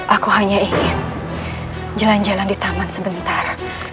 aku hanya ingin jalan jalan di taman sebentar